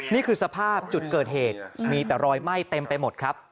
นี่คือสภาพจุดเกิดเหตุมีแต่รอยไหม้เต็มไปหมดครับ